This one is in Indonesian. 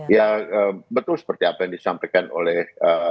ya betul seperti apa yang disampaikan oleh